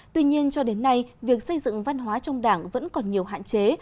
tuy nhiên cho đến nay việc xây dựng văn hóa trong đảng vẫn còn nhiều hạn chế